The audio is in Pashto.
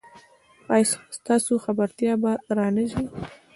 ایا ستاسو خبرتیا به را نه ځي؟